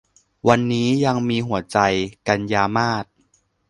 วันนี้ยังมีหัวใจ - กันยามาส